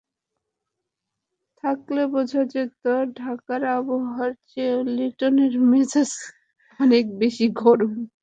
থাকলে বোঝা যেত, ঢাকার আবহাওয়ার চেয়েও লিটনের মেজাজ অনেক বেশি গরম।